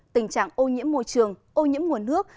tình trạng ô nhiễm môi trường ô nhiễm nguồn nước